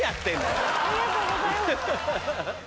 ありがとうございます。